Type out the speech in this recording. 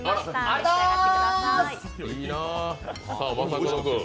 お召し上がりください。